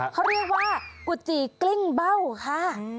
เขาเรียกว่ากุจีกลิ้งเบ้าค่ะ